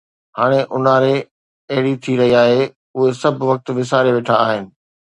هاڻي اونهاري اهڙي ئي رهي آهي، اهي سڀ وقت وساري ويٺا آهن